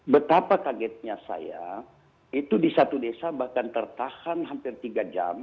betapa kagetnya saya itu di satu desa bahkan tertahan hampir tiga jam